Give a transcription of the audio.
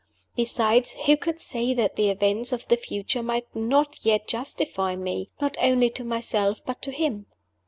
Besides, who could say that the events of the future might not y et justify me not only to myself, but to him?